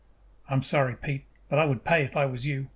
"I am sorry, Pete, but I would pay if I was you.